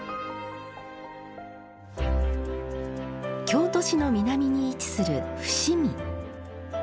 京都市の南に位置する伏見。